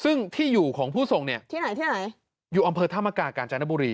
ซึ่งที่อยู่ของผู้ทรงเนี่ยที่ไหนที่ไหนอยู่อำเภอธรรมกากาญจนบุรี